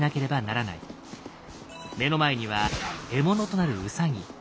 目の前には獲物となるウサギ。